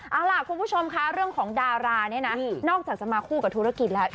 เอาล่ะคุณผู้ชมคะเรื่องของดาราเนี่ยนะนอกจากจะมาคู่กับธุรกิจแล้ว